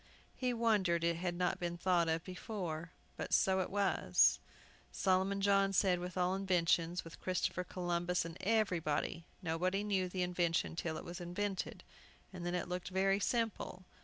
He wondered it had not been thought of before; but so it was, Solomon John said, with all inventions, with Christopher Columbus, and everybody. Nobody knew the invention till it was invented, and then it looked very simple.